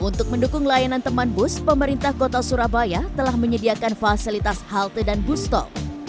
untuk mendukung layanan teman bus pemerintah kota surabaya telah menyediakan fasilitas halte dan bus tol